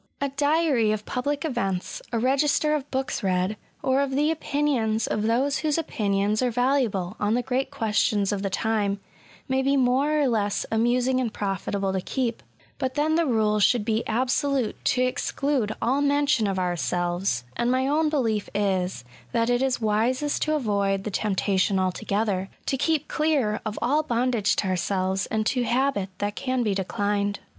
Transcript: A diary of public events, a register of books read, or of the opinions of those whose opinions are valuable on the great questions of the time, may be more or less amusing and profitable to keep ; but then the rule should be absolute to exclude all mention of ourselves: and my own belief is, that it is wisest to avoid the temptation altogether — to keep clear of all bondage to ourselves and to habit that can be declined.